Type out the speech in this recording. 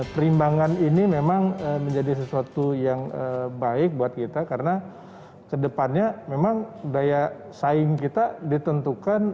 perimbangan ini memang menjadi sesuatu yang baik buat kita karena kedepannya memang daya saing kita ditentukan